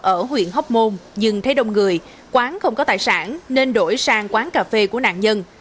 ở huyện hóc môn nhưng thấy đông người quán không có tài sản nên đổi sang quán cà phê của nạn nhân